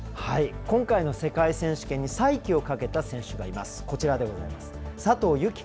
今回の世界選手権に再起をかけた選手がいます。